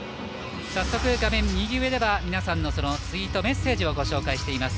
早速、画面右上では皆さんのツイートメッセージをご紹介しています。